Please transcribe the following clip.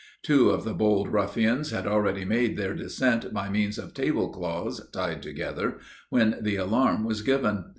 Two of the bold ruffians had already made their descent by means of tablecloths, tied together, when the alarm was given.